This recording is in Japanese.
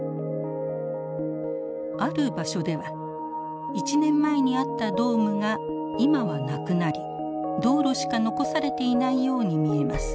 ある場所では１年前にあったドームが今はなくなり道路しか残されていないように見えます。